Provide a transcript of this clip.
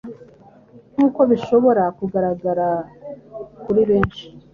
Nkuko bishobora kugaragara kuri benshi